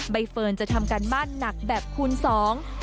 ใบเฟิร์นจะทำการบ้านหนักแบบคูณสอง